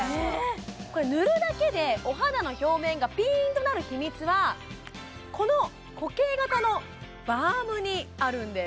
これ塗るだけでお肌の表面がピーンとなる秘密はこの固形型のバームにあるんです